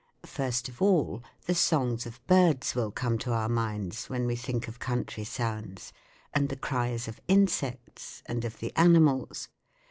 First of all, the songs of birds will come to our minds when we think of country sounds, and the cries of insects, and of the animals.